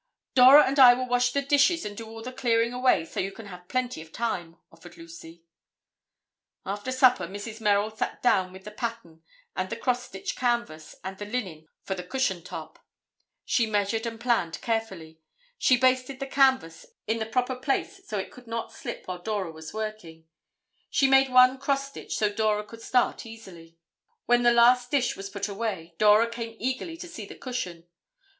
"Dora and I will wash the dishes and do all the clearing away, so you can have plenty of time," offered Lucy. After supper, Mrs. Merrill sat down with the pattern and the cross stitch canvas and the linen for the cushion top. She measured and planned carefully. She basted the canvas in the proper place so it could not slip while Dora was working. She made one cross stitch so Dora could start easily. When the last dish was put away, Dora came eagerly to see the cushion.